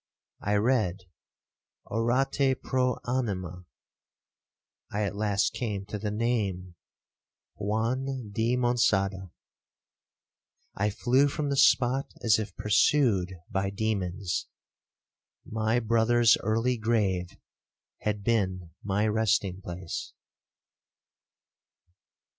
I read, 'Orate pro anima.' I at last came to the name—'Juan di Monçada.' I flew from the spot as if pursued by demons—my brother's early grave had been my resting place.